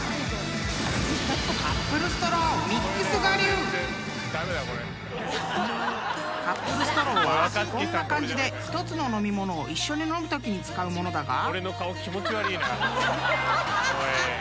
［カップルストローはこんな感じで１つの飲み物を一緒に飲むときに使う物だが］